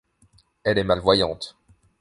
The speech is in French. Elle est malvoyante.